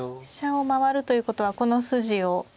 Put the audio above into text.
飛車を回るということはこの筋を。